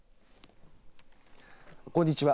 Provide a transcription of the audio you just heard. こんにちは。